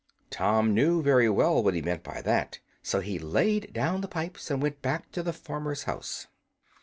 Tom knew very well what he meant by that, so he laid down the pipes, and went back to the farmer's house.